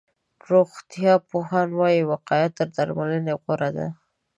روغتيا پوهان وایي، وقایه تر درملنې غوره ده.